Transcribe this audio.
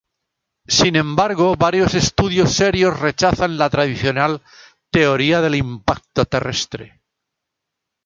Sin embargo, varios estudios serios rechazan la tradicional "teoría de impacto terrestre".